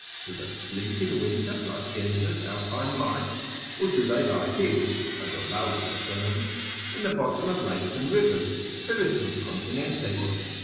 Do they sleep in winter, like Gesner's Alpine mice; or do they lie hid (as Olaus affirms) in the bottom of lakes and rivers, spiritum continentes?